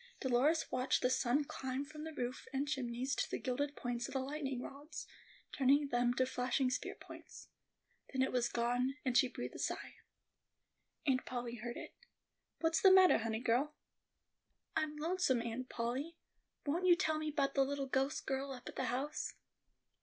Dolores watched the sun climb from the roof and chimneys to the gilded points of the lightning rods, turning them to flashing spear points. Then it was gone; and she breathed a sigh. Aunt Polly heard it. "What's the mattah, honey girl?" "I'm lonesome, Aunt Polly; won't you tell me 'bout the little ghost girl up at the house?"